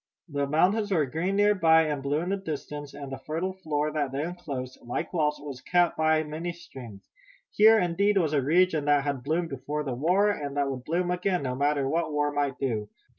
The mountains were green near by and blue in the distance, and the fertile floor that they enclosed, like walls, was cut by many streams. Here, indeed, was a region that had bloomed before the war, and that would bloom again, no matter what war might do.